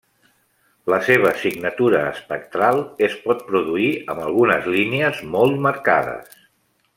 La seva signatura espectral es pot produir amb algunes línies molt marcades.